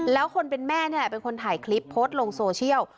แล้วคนเป็นแม่นี่แหละเป็นคนถ่ายคลิปโพสต์ลงโซเชียล